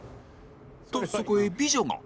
とそこへ美女が